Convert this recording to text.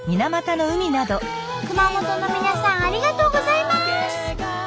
熊本の皆さんありがとうございます！